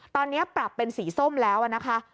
ตอนนี้ปรับเป็นสีส้มแล้วนะคะ